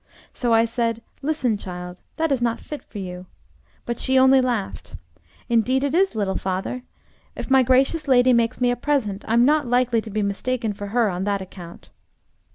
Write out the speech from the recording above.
So I said: 'Listen, child, that is not fit for you.' But she only laughed. 'Indeed it is, little father. If my gracious lady makes me a present, I'm not likely to be mistaken for her on that account.'